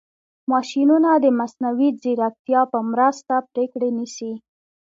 ماشینونه د مصنوعي ځیرکتیا په مرسته پرېکړې نیسي.